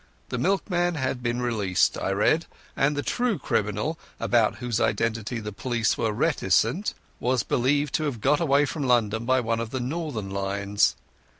The milkman had been released, I read, and the true criminal, about whose identity the police were reticent, was believed to have got away from London by one of the northern lines.